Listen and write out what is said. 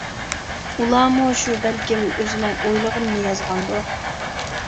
-ئۇلارمۇ شۇ بەلكىم ئۆزىنىڭ ئويلىغىنىنى يازغاندۇ.